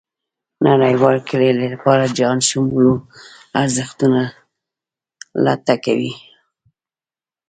نړېوال کلي لپاره جهانشمولو ارزښتونو لټه کوي.